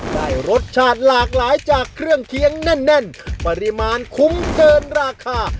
ได้รสชาติหลากหลายจากเครื่องเคียงแน่นปริมาณคุ้มเกินราคา